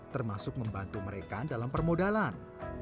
termasuk membantu mereka dalam permodalan